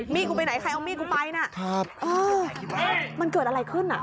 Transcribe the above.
มีกูไปไหนใครเอามีกูไปนะอ้าวมันเกิดอะไรขึ้นน่ะคุณผู้ชม